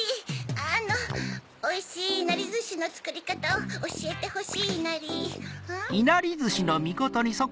あのおいしいいなりずしのつくりかたをおしえてほしいなりんっ？